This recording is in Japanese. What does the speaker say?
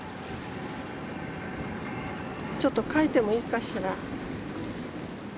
ちょっと描いてもいいかしら。